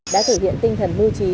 đã thực hiện tinh thần mưu trí